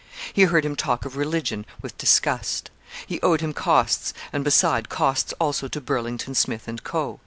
He heard him talk of religion with disgust. He owed him costs, and, beside, costs also to Burlington, Smith, and Co.